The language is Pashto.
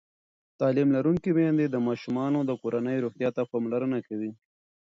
تعلیم لرونکې میندې د ماشومانو د کورنۍ روغتیا ته پاملرنه کوي.